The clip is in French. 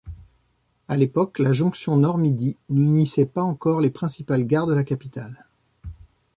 À l'époque, la jonction nord-midi n'unissait pas encore les principales gares de la capitale.